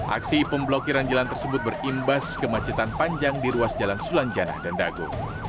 aksi pemblokiran jalan tersebut berimbas kemacetan panjang di ruas jalan sulanjana dan dago